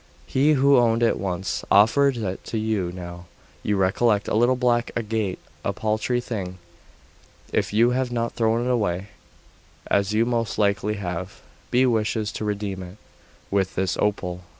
'He who owned it once, offers it to you now. You recollect a little black agate a paltry thing..... If you have not thrown it away, as you most likely have, he wishes to redeem it with this opal....